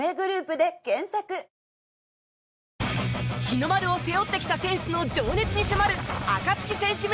日の丸を背負ってきた選手の情熱に迫るアカツキ選手